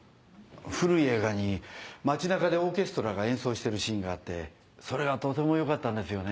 古い映画に街中でオーケストラが演奏してるシーンがあってそれがとてもよかったんですよね。